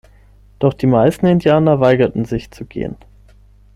Doch die meisten Indianer weigerten sich, zu gehen.